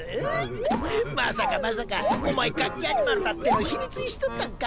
まさかまさかお前ガッキアニマルだっての秘密にしとったんか？